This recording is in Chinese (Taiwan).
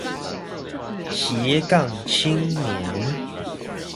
斜槓青年